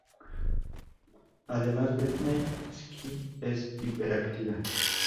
Además Brittney Skye es hiperactiva.